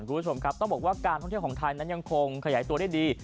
คุณผู้ชมครับต้องบอกว่าการท่องเที่ยวของไทยนั้นยังคงขยายตัวได้ดี